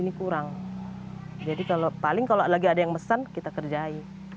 ini kurang jadi paling kalau lagi ada yang mesen kita kerjai